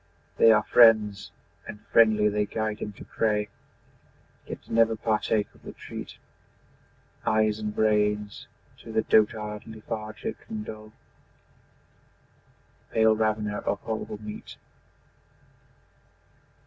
They are friends; and friendly they guide him to prey, Yet never partake of the treat Eyes and brains to the dotard lethargic and dull, Pale ravener of horrible meat.